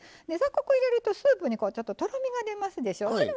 雑穀入れるとスープにこうちょっととろみが出ますでしょう？